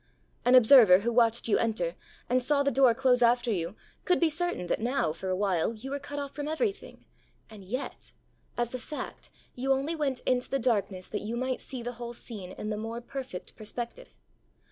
An observer who watched you enter, and saw the door close after you, could be certain that now, for awhile, you were cut off from everything. And yet, as a fact, you only went into the darkness that you might see the whole scene in the more perfect perspective.